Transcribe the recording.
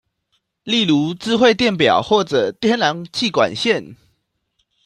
例如智慧電錶或者天然氣管線